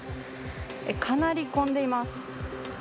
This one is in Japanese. かなり混んでいます。